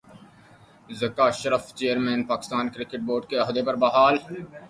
Zaka Ashraf chairman Pakistan cricket board کے عہدے پر بحال